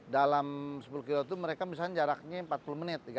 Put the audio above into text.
dalam sepuluh km itu mereka misalnya jaraknya empat puluh menit